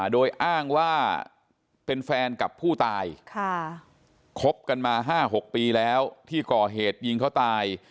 โดยอ้างว่าเป็นแฟนกับผู้ตายคบกันมา๕๖ปีแล้วที่ก่อเหตุยิงเขาตาย